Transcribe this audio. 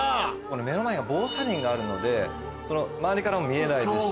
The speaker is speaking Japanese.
目の前が防砂林があるので周りからも見えないですし。